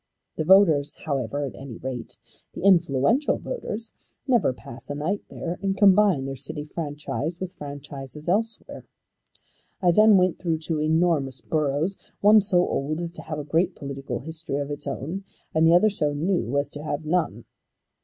The voters however, at any rate the influential voters, never pass a night there, and combine their city franchise with franchises elsewhere. I then went through two enormous boroughs, one so old as to have a great political history of its own, and the other so new as to have none.